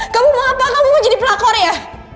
kamu mau apa kamu mau jadi pelakor ya